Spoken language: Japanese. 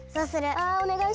あおねがいします。